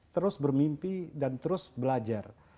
terus bermimpi dan terus belajar